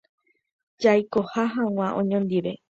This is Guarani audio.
Jaikoha hag̃ua oñondive